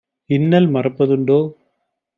இன்னல் மறப்ப துண்டோ?"